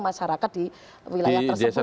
masyarakat di wilayah tersebut